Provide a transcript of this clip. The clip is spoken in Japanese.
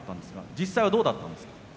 実際はどうだったんですか。